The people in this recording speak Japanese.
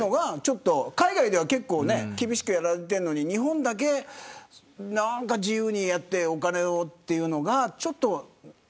海外では結構厳しくやられているのに日本だけ自由にやってお金をというのが。